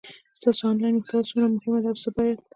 ستاسو انلاین محتوا څومره مهمه ده او څه باید